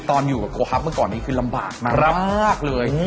ตอนอยู่กับโคฮับเมื่อก่อนนี้คือลำบากมากมากเลย